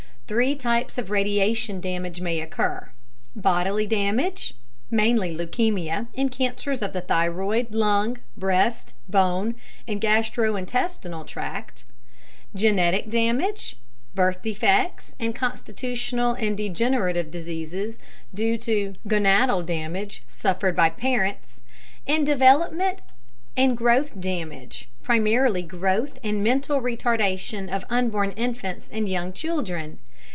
Three types of radiation damage may occur: bodily damage (mainly leukemia and cancers of the thyroid, lung, breast, bone, and gastrointestinal tract); genetic damage (birth defects and constitutional and degenerative diseases due to gonodal damage suffered by parents); and development and growth damage (primarily growth and mental retardation of unborn infants and young children).